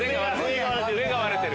上が割れてる。